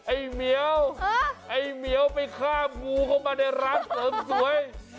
ไอ้เหมียวไอ้เหมียวไปข้ามงูเข้ามาในร้านเสริมสวย